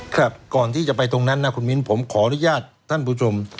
ครับก่อนที่จะไปตรงนั้นนะคุณมิ้นผมขออนุญาตท่านผู้ชม